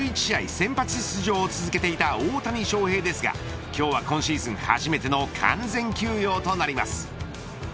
先発出場を続けていた大谷翔平ですが今日は今シーズン初めての完全休養となります。